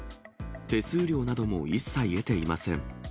手数料なども一切得ていません。